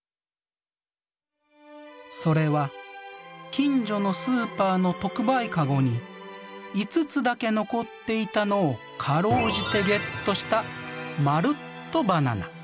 それは近所のスーパーの特売カゴに５つだけ残っていたのを辛うじてゲットしたまるっとバナナ。